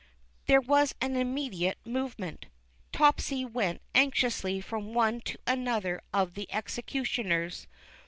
There was an immediate movement. Topsy went anxiously from one to another of the executioners.